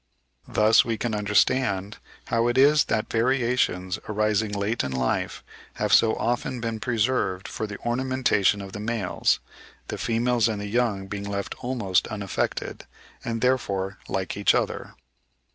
Thus we can understand how it is that variations arising late in life have so often been preserved for the ornamentation of the males; the females and the young being left almost unaffected, and therefore like each other.